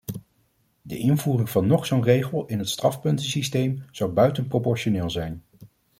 De invoering van nog zo'n regel in het strafpuntensysteem zou buitenproportioneel zijn.